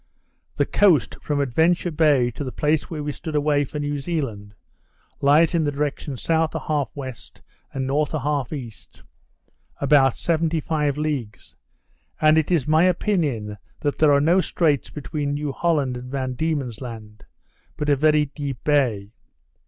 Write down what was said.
The coast, from Adventure Bay to the place where we stood away for New Zealand, lies in the direction S. 1/2 W., and N. 1/2 E., about seventy five leagues; and it is my opinion that there are no straits between New Holland and Van Diemen's Land, but a very deep bay.